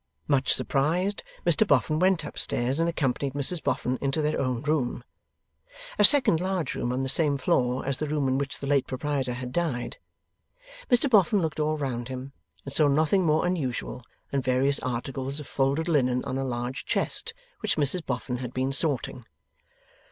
Much surprised, Mr Boffin went up stairs and accompanied Mrs Boffin into their own room: a second large room on the same floor as the room in which the late proprietor had died. Mr Boffin looked all round him, and saw nothing more unusual than various articles of folded linen on a large chest, which Mrs Boffin had been sorting.